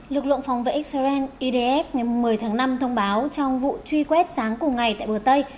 lực lượng phòng vệ israel idf ngày một mươi tháng năm thông báo trong vụ truy quét sáng cùng ngày tại bờ tây